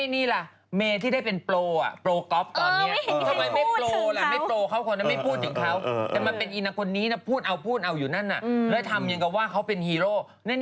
นี้ไงทำไมไม่นี่ละ